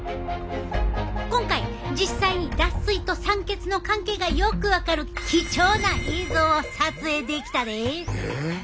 今回実際に脱水と酸欠の関係がよく分かる貴重な映像を撮影できたで。